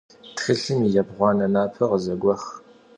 Txılhım yi yêbğuane naper khızeguex.